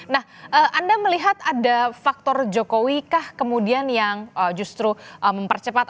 nah anda melihat ada faktor jokowi kah kemudian yang justru mempercepat